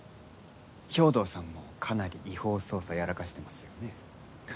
兵頭さんもかなり違法捜査やらかしてますよね？